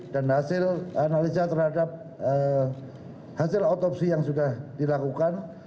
dan hasil analisa terhadap hasil otopsi yang sudah dilakukan